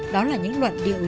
đó là những luận điệu